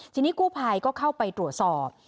ทีนี้กู้ภัยก็เข้าไปตรวจสอบ